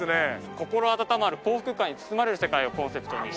心温まる幸福感に包まれる世界をコンセプトにしております。